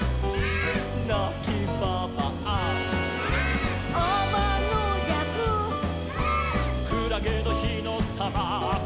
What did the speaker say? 「なきばばあ」「」「あまのじゃく」「」「くらげのひのたま」「」